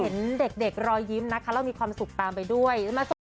เห็นเด็กรอยยิ้มนะคะเรามีความสุขตามไปด้วย